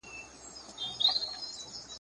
پيغمبر د ټولو لپاره رحمت و.